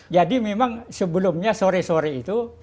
jadi memang sebelumnya sore sore itu